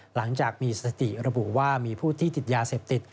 หลังจากมีสติระบุว่ามีผู้ที่ติดยาเสพติด